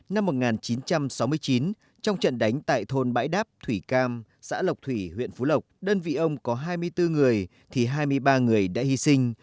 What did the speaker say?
năm một nghìn chín trăm sáu mươi chín trong trận đánh tại thôn bãi đáp thủy cam xã lộc thủy huyện phú lộc đơn vị ông có hai mươi bốn người thì hai mươi ba người đã hy sinh